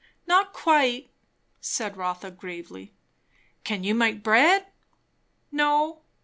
"Not quite," said Rotha gravely. "Can you make bread?" "No."